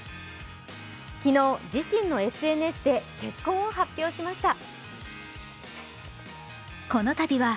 昨日、自身のＳＮＳで結婚を発表しました。